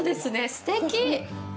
すてき。